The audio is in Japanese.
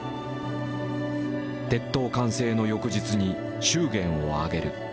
「鉄塔完成の翌日に祝言を挙げる」。